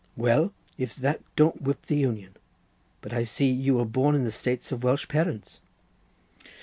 Well, if that don't whip the Union. But I see: you were born in the States of Welsh parents."